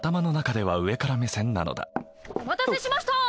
お待たせしました！